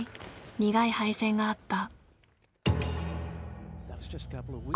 苦い敗戦があった。